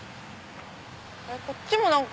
こっちも何か。